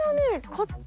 こっち？